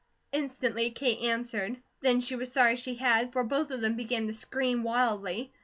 Instantly Kate answered. Then she was sorry she had, for both of them began to scream wildly.